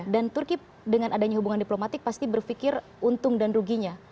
dan turki dengan adanya hubungan diplomatik pasti berpikir untung dan ruginya